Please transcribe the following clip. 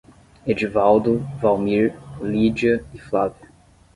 Edvaldo, Valmir, Lídia e Flávio